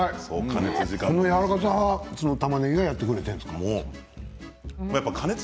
このやわらかさはたまねぎがやってくれているんですね。